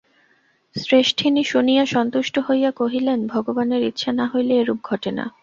শ্রেষ্ঠিনী শুনিয়া সন্তুষ্ট হইয়া কহিলেন, ভগবানের ইচ্ছা না হইলে এরূপ ঘটে না।